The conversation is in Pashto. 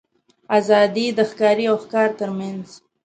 آزادي د ښکاري او ښکار تر منځ.